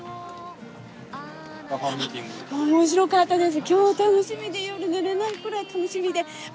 もう面白かったです。